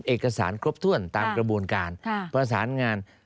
เอกสารครบถ้วนตามกระบวนการประสานงาน